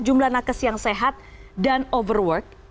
jumlah tenaga kesehatan yang sehat dan berusaha